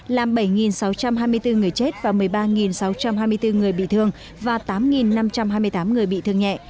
làm bảy sáu trăm hai mươi bốn người chết và một mươi ba sáu trăm hai mươi bốn người bị thương và tám năm trăm hai mươi tám người bị thương nhẹ